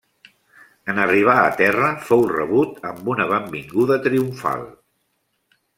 En arribar a terra fou rebut amb una benvinguda triomfal.